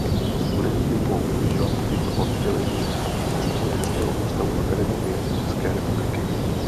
Studenti mohou využívat tyto oddělení Astronomického ústavu Akademie věd České republiky.